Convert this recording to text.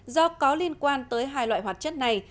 do có liên quan tới hai loại hoạt chất này